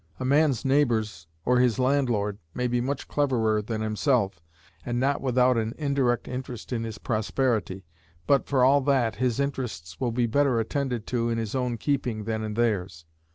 A man's neighbors or his landlord may be much cleverer than himself, and not without an indirect interest in his prosperity, but, for all that, his interests will be better attended to in his own keeping than in theirs.